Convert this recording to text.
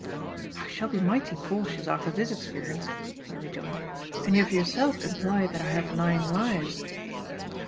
"I shall be mighty cautious after this experience," I rejoined; "and you have yourself implied that I have nine lives."